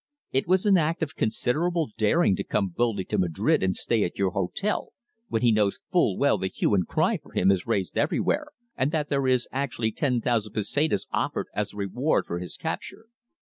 "It was an act of considerable daring to come boldly to Madrid and stay at your hotel when he knows full well the hue and cry for him is raised everywhere, and that there is actually ten thousand pesetas offered as reward for his capture."